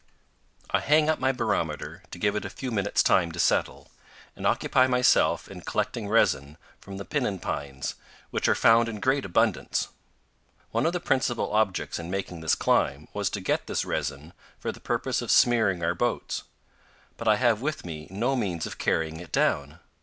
I hang up my barometer to give it a few minutes' time to settle, and occupy myself in collecting resin from the piñón pines, which are found in great abundance. One of the principal objects in making this climb was to get this resin for the purpose of smearing our boats; but I have with me no means of carrying it down.